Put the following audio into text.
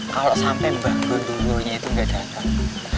kalo sampe mbak gundurwonya itu gak dateng